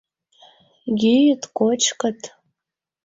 Йӱыт, кочкыт.